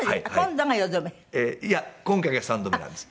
いや今回が３度目なんです。